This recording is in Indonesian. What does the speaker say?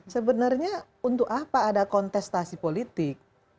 sebenarnya untuk apa ada kontestasi politik